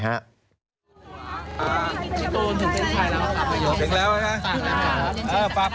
คุณตูนถึงเต้นชัยแล้วครับ